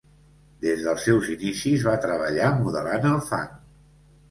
Des dels seus inicis va treballar modelant el fang.